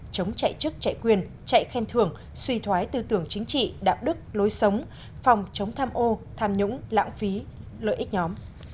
chống chạy chức chạy quyền chạy khen thường suy thoái tư tưởng chính trị đạo đức lối sống phòng chống tham ô tham nhũng lãng phí lợi ích nhóm